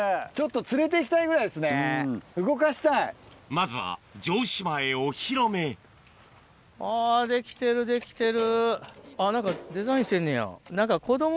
まずは城島へお披露目あできてるできてる。